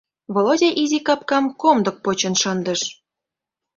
— Володя изи капкам комдык почын шындыш;